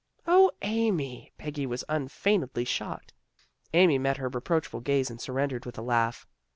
" O, Amy! " Peggy was unfeignedly shocked. Amy met her reproachful gaze and surrendered with a laugh.